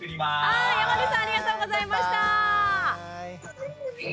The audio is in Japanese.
はい山地さんありがとうございました。